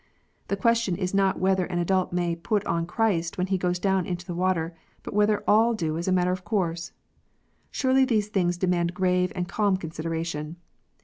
The question is not whether an adult may "put on Christ " when he goes down into the water, but whether all do as a matter of course. Surely these things demand grave and calm consideration